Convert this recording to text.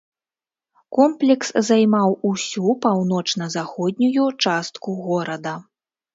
Комплекс займаў усю паўночна-заходнюю частку горада.